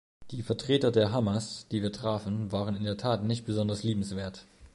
Die Vertreter der Hamas, die wir trafen, waren in der Tat nicht besonders liebenswert.